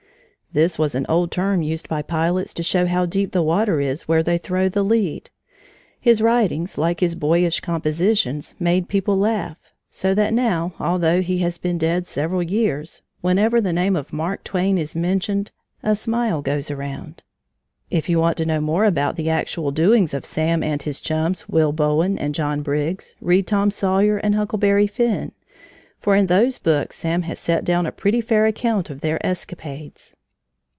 This was an old term used by pilots to show how deep the water is where they throw the lead. His writings, like his boyish compositions, made people laugh. So that now, although he has been dead several years, whenever the name of Mark Twain is mentioned, a smile goes around. If you want to know more about the actual doings of Sam and his chums, Will Bowen and John Briggs, read Tom Sawyer and Huckleberry Finn, for in those books Sam has set down a pretty fair account of their escapades.